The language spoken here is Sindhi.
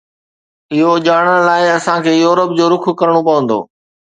اهو ڄاڻڻ لاءِ اسان کي يورپ جو رخ ڪرڻو پوندو